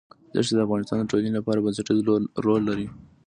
دښتې د افغانستان د ټولنې لپاره بنسټيز رول لري.